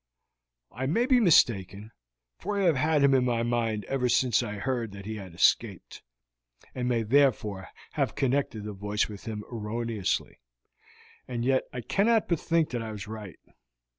I may be mistaken, for I have had him in my mind ever since I heard that he had escaped, and may therefore have connected the voice with him erroneously, and yet I cannot but think that I was right.